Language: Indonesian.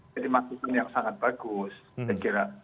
jadi masih pun yang sangat bagus saya kira